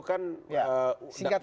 di kantor ksp itu kan